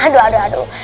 aduh aduh aduh